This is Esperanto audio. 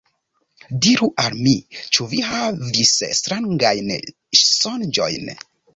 Diru al mi. Ĉu vi havis strangajn sonĝojn?